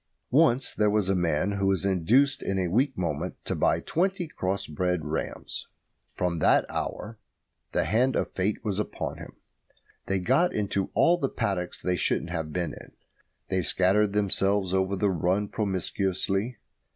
Once there was a man who was induced in a weak moment to buy twenty cross bred rams. From that hour the hand of Fate was upon him. They got into all the paddocks they shouldn't have been in. They scattered themselves over the run promiscuously.